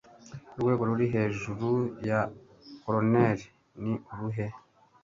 Urwego Ruri hejuru ya Koloneli ni uruhe